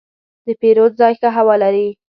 د پیرود ځای ښه هوا لري.